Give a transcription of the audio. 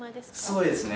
そうですね。